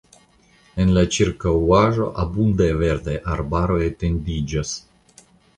En la ĉirkaŭaĵo abundaj verdaj arbaroj etendiĝas.